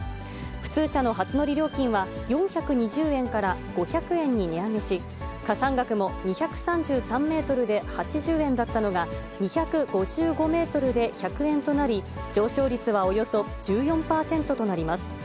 普通車の初乗り料金は、４２０円から５００円に値上げし、加算額も２３３メートルで８０円だったのが、２５５メートルで１００円となり、上昇率はおよそ１４％となります。